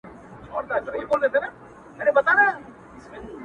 د اسرافیل شپېلۍ ته اور ورته کومه ځمه!!